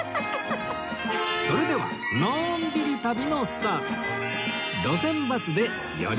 それではのんびり旅のスタート